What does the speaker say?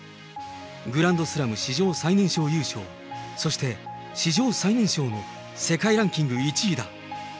グランドスラム史上最年少優勝、そして史上最年少の世界ランキング１位だ。